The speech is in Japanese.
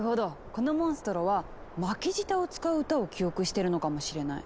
このモンストロは巻き舌を使う歌を記憶してるのかもしれない。